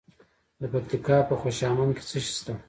د پکتیکا په خوشامند کې څه شی شته؟